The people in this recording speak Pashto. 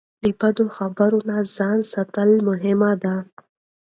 له بدو خبرونو ځان ساتل مهم دي.